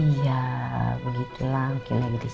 iya begitulah mungkin lagi dicoba